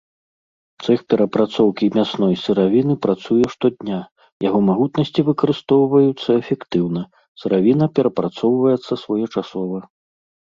Цэх перапрацоўкі мясной сыравіны працуе штодня, яго магутнасці выкарыстоўваюцца эфектыўна, сыравіна перапрацоўваецца своечасова.